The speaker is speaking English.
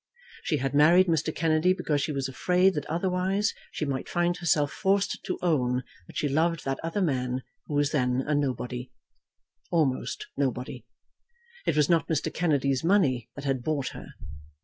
She had married Mr. Kennedy because she was afraid that otherwise she might find herself forced to own that she loved that other man who was then a nobody; almost nobody. It was not Mr. Kennedy's money that had bought her.